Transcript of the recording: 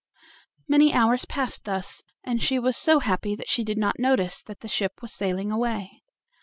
Many hours passed thus, and she was so happy that she did not notice that the ship was sailing away.